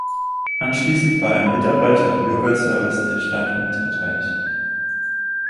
Anschließend war er Mitarbeiter im Bürgerservice der Stadt Mitterteich.